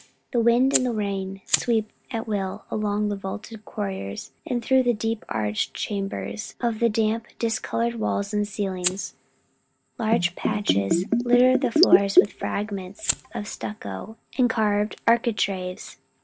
The wind and the rain sweep at will along the vaulted corridors and through the deep arched chambers. Of the damp, discolored walls and ceilings, large patches litter the floors with fragments of stucco and carved architraves.